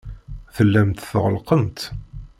Tellamt tɣellqemt.